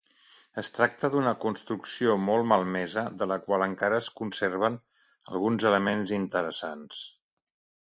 Es tracta d'una construcció molt malmesa, de la qual encara es conserven alguns elements interessants.